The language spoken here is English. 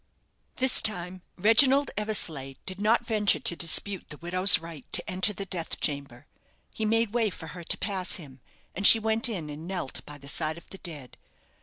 This time, Reginald Eversleigh did not venture to dispute the widow's right to enter the death chamber. He made way for her to pass him, and she went in and knelt by the side of the dead.